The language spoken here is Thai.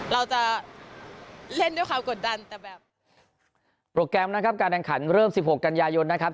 เราจะเล่นด้วยความกดดันแต่แบบโปรแกรมนะครับการแข่งขันเริ่ม๑๖กันยายนนะครับ